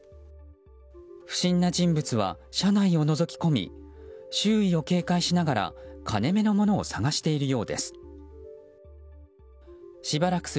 不審な人物は車内をのぞき込み周囲を警戒しながら金目の物を探しているようです。